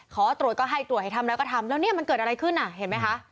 ขอตรวจก็ให้ตรวจให้ทำแล้วก็ทำแล้วเนี่ยมันเกิดอะไรขึ้นอ่ะเห็นไหมคะ